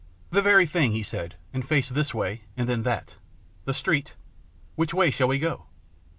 " The very thing," he said, and faced this way and then that. " The street ? Which way shall we go